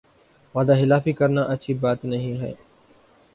وعدہ خلافی کرنا اچھی بات نہیں ہے